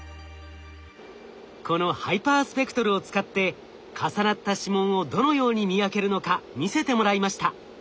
このハイパースペクトルを使って重なった指紋をどのように見分けるのか見せてもらいました。